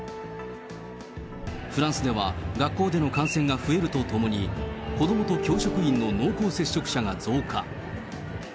フランスでは、学校での感染が増えるとともに、子どもと教職員の濃厚接触者が増加。